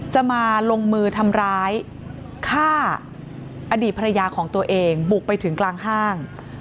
จะมาลงมือทำร้ายฆ่าอดีตภรรยาของตัวเองบุกไปถึงกลางห้าง